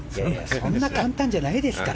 そんな簡単じゃないですから。